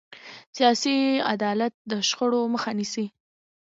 سیاسي عدالت د شخړو مخه نیسي